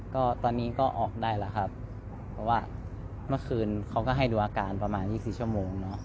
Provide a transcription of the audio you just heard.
ก็ตอนนี้ก็ออกได้แล้วครับเพราะว่าเมื่อคืนเขาก็ให้ดูอาการประมาณ๒๔ชั่วโมงเนอะ